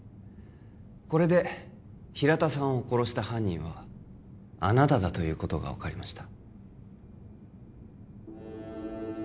これで平田さんを殺した犯人はあなただということが分かりました